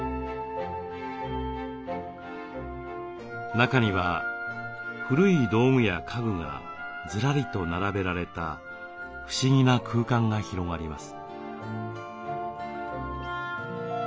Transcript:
中には古い道具や家具がずらりと並べられた不思議な空間が広がります。